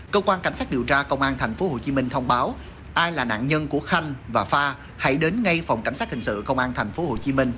cơ quan cảnh sát điều tra công an tp hcm thông báo ai là nạn nhân của khanh và pha hãy đến ngay phòng cảnh sát hình sự công an tp hcm